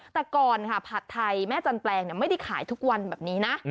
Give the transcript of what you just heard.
แต่ก่อนค่ะผัดไทยแม่จันแปลงไม่ได้ขายทุกวันแบบนี้นะ